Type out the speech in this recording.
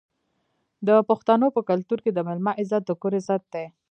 د پښتنو په کلتور کې د میلمه عزت د کور عزت دی.